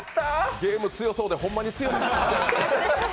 ゲーム強そうでほんまに強い。